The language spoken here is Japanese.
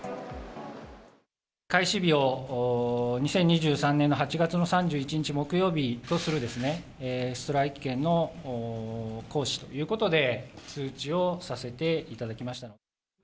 開始日を２０２３年の８月の３１日木曜日とする、ストライキ権の行使ということで、通知をさせていただきました。